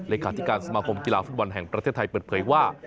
เลขาธิการสมาคมกีฬาฟุตบอลแห่งประเทศไทยเปิดเผยว่า